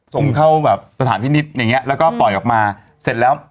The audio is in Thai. ส่งเข้าแบบสถานพินิษฐ์อย่างเงี้แล้วก็ปล่อยออกมาเสร็จแล้ว